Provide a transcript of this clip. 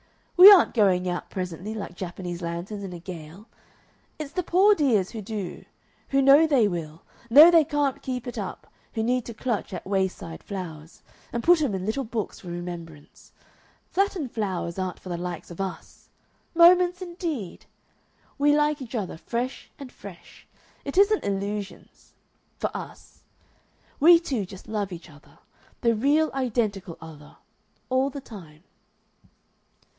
We aren't going out presently, like Japanese lanterns in a gale. It's the poor dears who do, who know they will, know they can't keep it up, who need to clutch at way side flowers. And put 'em in little books for remembrance. Flattened flowers aren't for the likes of us. Moments, indeed! We like each other fresh and fresh. It isn't illusions for us. We two just love each other the real, identical other all the time."